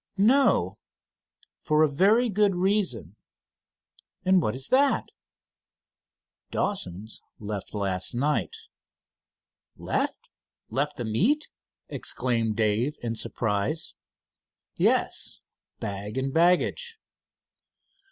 "No." "For a very good reason." "And what is at?" "Dawsons left last night." "Left left the meet?" exclaimed Dave in surprise. "Yes, bag and baggage."